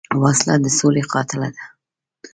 وسله د سولې قاتله ده